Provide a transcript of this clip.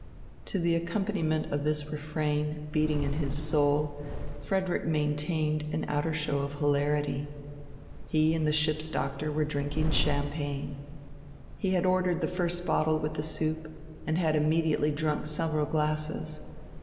To the accompaniment of this refrain beating in his soul Frederick maintained an outer show of hilarity. He and the ship's doctor were drinking champagne. He had ordered the first bottle with the soup and had immediately drunk several glasses.